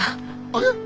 あれ？